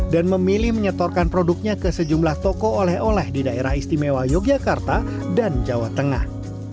dan memilih menyetorkan produknya ke sejumlah toko oleh oleh di daerah istimewa yogyakarta dan jawa tengah